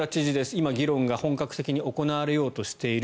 今、議論が本格的に行われようとしている。